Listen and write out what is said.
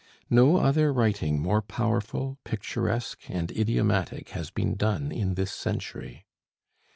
No other writing more powerful, picturesque, and idiomatic has been done in this century.